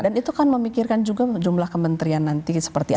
dan itu kan memikirkan juga jumlah kementerian nanti seperti apa